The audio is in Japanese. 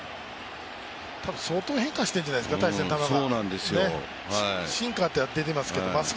相当変化してるんじゃないですか、大勢の球が。